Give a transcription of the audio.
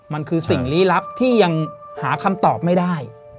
มันคือสิ่งลี้ลับที่ยังหาคำตอบไม่ได้